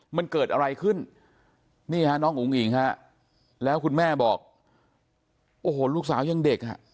มันเกิดอะไรขึ้นนี่ฮะน้องอุ๋งอิ๋งฮะแล้วคุณแม่บอกโอ้โหลูกสาวยังเด็กอ่ะ